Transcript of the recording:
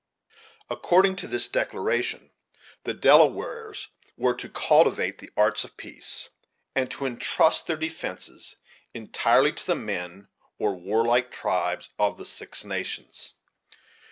According to this declaration, the Delawares were to cultivate the arts of peace, and to intrust their defence entirely to the men, or warlike tribes of the Six Nations.